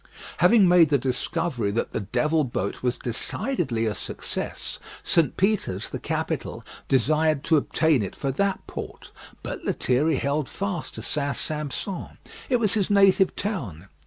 Having made the discovery that the "Devil Boat" was decidedly a success, St. Peter's, the capital, desired to obtain it for that port, but Lethierry held fast to St. Sampson. It was his native town.